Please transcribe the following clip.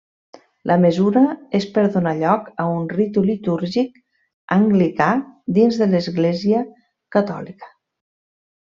La mesura és per donar lloc a un ritu litúrgic anglicà dins de l'Església Catòlica.